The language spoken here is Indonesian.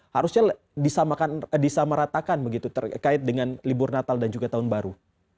harusnya disamaratakan begitu terkait dengan libur natal dan juga tahun baru